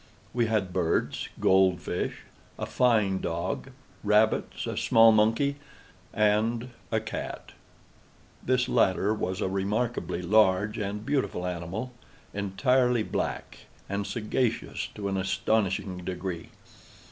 We had birds, gold fish, a fine dog, rabbits, a small monkey, and a cat. This latter was a remarkably large and beautiful animal, entirely black, and sagacious to an astonishing degree.